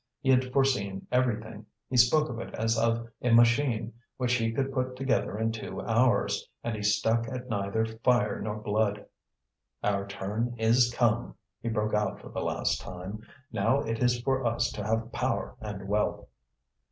He had foreseen everything; he spoke of it as of a machine which he could put together in two hours, and he stuck at neither fire nor blood. "Our turn is come," he broke out for the last time. "Now it is for us to have power and wealth!"